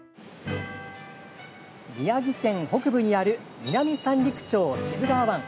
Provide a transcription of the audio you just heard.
宮城県北部にある南三陸町・志津川湾。